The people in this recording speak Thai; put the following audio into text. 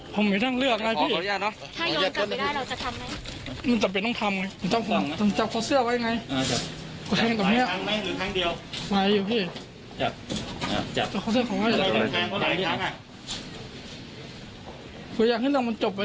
เขาตายคือแล้วเดี๋ยวเราล่ะครับผม